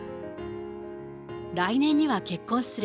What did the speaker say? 来年には結婚する。